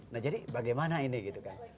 nah jadi bagaimana ini gitu kan